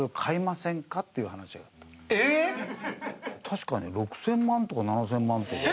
確かね６０００万とか７０００万とか。